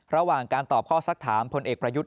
ระหว่างการตอบข้อสักถามพลเอกประยุทธ์